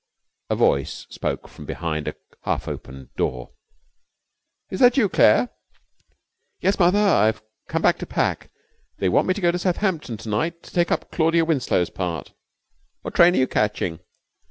A voice spoke from behind a half opened door 'Is that you, Claire?' 'Yes, mother; I've come back to pack. They want me to go to Southampton to night to take up Claudia Winslow's part.' 'What train are you catching?'